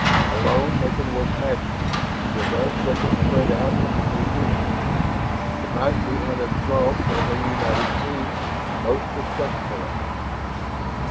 Alone they can work 'magic'; with us they can spread out into new fields. Tonight we hunted Throgs as a united team most successfully."